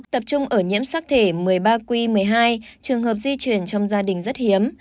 tập trung ở nhiễm sắc thể một mươi ba q một mươi hai trường hợp di chuyển trong gia đình rất hiếm